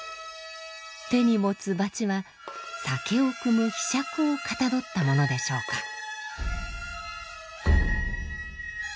手に持つ桴は酒を酌む柄杓をかたどったものでしょうか。